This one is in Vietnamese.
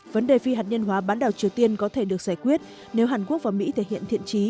vấn đề phi hạt nhân hóa bán đảo triều tiên có thể được giải quyết nếu hàn quốc và mỹ thể hiện thiện trí